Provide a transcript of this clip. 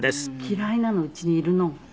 嫌いなの家にいるのが。